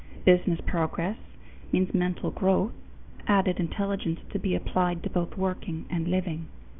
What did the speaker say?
Business progress means mental growth, added intelligence to be applied to both working and living.